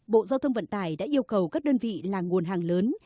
bộ giao thông vận tải đã yêu cầu các đơn vị là nguồn hàng lớn